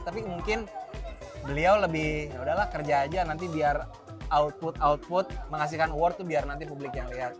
tapi mungkin beliau lebih yaudahlah kerja aja nanti biar output output mengasihkan award tuh biar nanti publik yang lihat